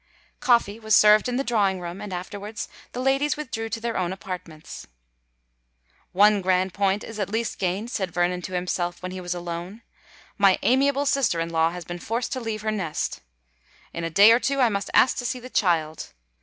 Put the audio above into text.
Coffee was served in the drawing room; and afterwards the ladies withdrew to their own apartments. "One grand point is at least gained," said Vernon to himself, when he was alone: "my amiable sister in law has been forced to leave her nest! In a day or two I must ask to see the child.